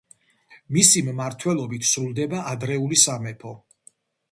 მისი მმართველობით სრულდება ადრეული სამეფო.